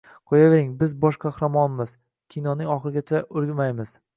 - Qo'yaver biz bosh qahramonmiz - kinoning oxirigacha o'lmaymiz...